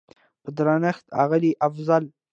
په درنښت اغلې افضل